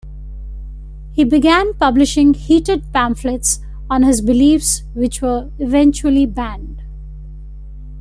He began publishing heated pamphlets on his beliefs which were eventually banned.